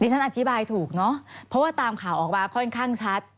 ฉันอธิบายถูกเนอะเพราะว่าตามข่าวออกมาค่อนข้างชัด